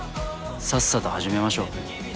さっさと始めましょう。